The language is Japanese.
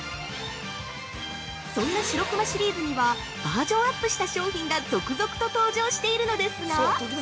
そんな白くまシリーズには、バージョンアップした商品が続々と登場しているのですが。